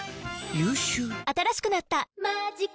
新しくなった「マジカ」